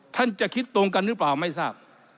ท่านจะคิดตรงกันหรือเปล่าไม่ทราบ